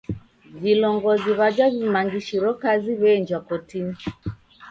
Vilongozi w'aja w'imangishiro kazi waenjwa kotinyi.